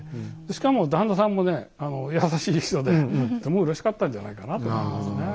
しかも旦那さんもね優しい人でとてもうれしかったんじゃないかなと思いますね。